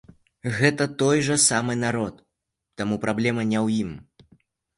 Гэта той жа самы народ, таму праблема не ў ім.